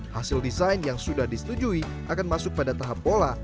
hasil desain yang sudah disetujui akan masuk pada tahap pola